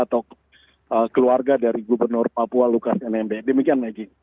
atau keluarga dari gubernur papua lukas nmb demikian maggie